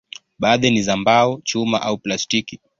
Baadhi ni za mbao, chuma au plastiki.